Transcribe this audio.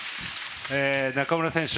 中村選手